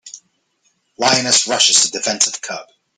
Lioness Rushes to Defense of Cub.